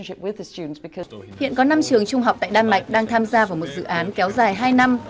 hiện có năm trường trung học tại đan mạch đang tham gia vào một dự án kéo dài hai năm